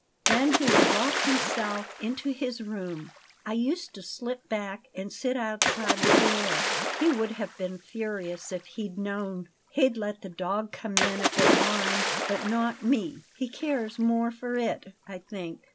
Then he would lock himself into his room. I used to slip back and sit outside the door he would have been furious if he'd known. He'd let the dog come in if it whined, but not me. He cares more for it, I think."